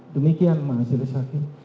demikian mas saya disyakin